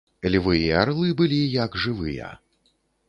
Львы і арлы былі, як жывыя.